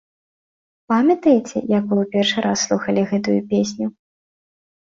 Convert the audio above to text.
Памятаеце, як вы ў першы раз слухалі гэтую песню?